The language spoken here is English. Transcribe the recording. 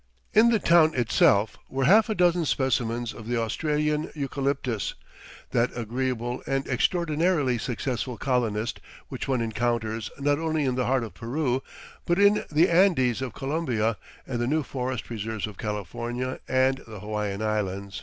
In the town itself were half a dozen specimens of the Australian eucalyptus, that agreeable and extraordinarily successful colonist which one encounters not only in the heart of Peru, but in the Andes of Colombia and the new forest preserves of California and the Hawaiian Islands.